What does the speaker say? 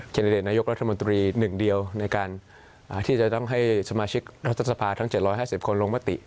ดิเดตนายกรัฐมนตรีหนึ่งเดียวในการที่จะต้องให้สมาชิกรัฐสภาทั้ง๗๕๐คนลงมติ